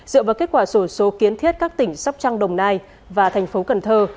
dựa vào kết quả sổ số kiến thiết các tỉnh sóc trăng đồng nai và thành phố cần thơ